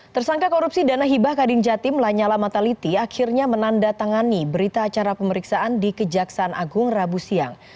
tersangka korupsi dana hibah kadin jatim lanyala mataliti akhirnya menandatangani berita acara pemeriksaan di kejaksaan agung rabu siang